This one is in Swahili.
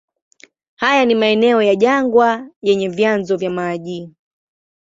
Haya ni maeneo ya jangwa yenye vyanzo vya maji.